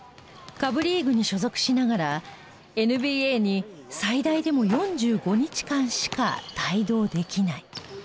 下部リーグに所属しながらＮＢＡに最大でも４５日間しか帯同できない。